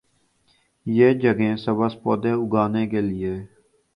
یہ جگہیں سبز پودے اگانے کے لئے